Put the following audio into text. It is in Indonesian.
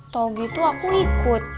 tau gitu aku ikut